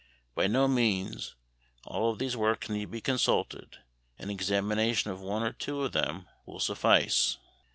By no means all of these works need be consulted; an examination of one or two of them will suffice.